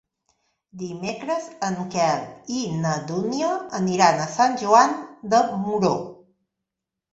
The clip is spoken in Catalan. Dimecres en Quel i na Dúnia aniran a Sant Joan de Moró.